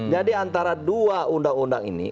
jadi antara dua undang undang ini